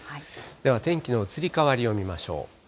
では天気の移り変わりを見ましょう。